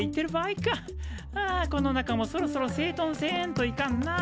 あこの中もそろそろせいとんせんといかんな。